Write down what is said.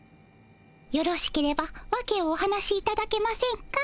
よろしければワケをお話しいただけませんか？